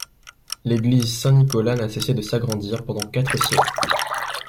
L'église Saint-Nicolas n'a cessé de s'agrandir pendant quatre siècles.